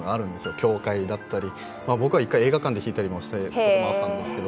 教会だったり僕は１回、映画館で弾いたりしたこともあったんですけど。